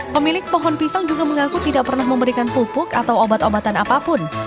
pemilik pohon pisang juga mengaku tidak pernah memberikan pupuk atau obat obatan apapun